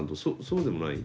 そうでもない？